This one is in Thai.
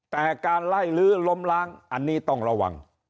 แต่การไล่ลื้อล้มล้างอันนี้ต้องระวัง